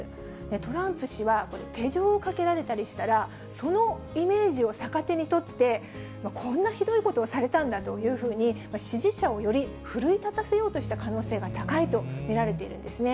トランプ氏は、手錠をかけられたりしたら、そのイメージを逆手にとって、こんなひどいことをされたんだというふうに支持者をより奮い立たせようとした可能性が高いと見られているんですね。